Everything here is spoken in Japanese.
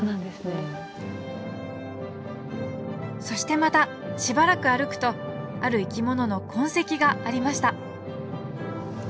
そしてまたしばらく歩くとある生き物の痕跡がありました